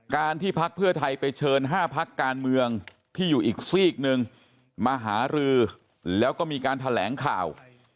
ที่พักเพื่อไทยไปเชิญ๕พักการเมืองที่อยู่อีกซีกหนึ่งมาหารือแล้วก็มีการแถลงข่าว